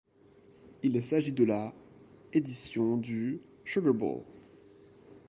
Il s'agit de la édition du Sugar Bowl.